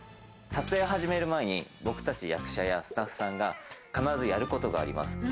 撮影を始める前に、僕たち役者やスタッフさんが必ずやることがあります。